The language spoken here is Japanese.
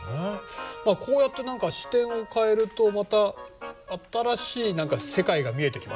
まあこうやって視点を変えるとまた新しい世界が見えてきますね。